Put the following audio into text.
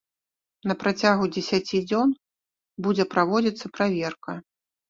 На працягу дзесяці дзён будзе праводзіцца праверка.